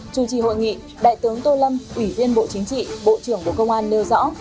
chủ trì hội nghị đại tướng tô lâm ủy viên bộ chính trị bộ trưởng bộ công an nêu rõ